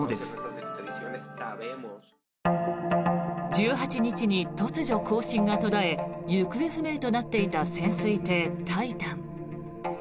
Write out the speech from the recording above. １８日に突如、交信が途絶え行方不明となっていた潜水艇「タイタン」。